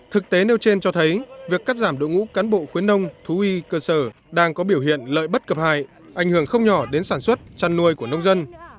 thực tế nêu trên cho thấy việc cắt giảm đội ngũ cán bộ khuyến nông thú y cơ sở đang có biểu hiện lợi bất cập hại ảnh hưởng không nhỏ đến sản xuất chăn nuôi của nông dân